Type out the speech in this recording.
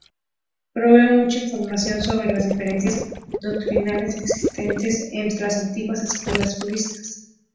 Provee mucha información sobre las diferencias doctrinales existentes entre las antiguas escuelas budistas.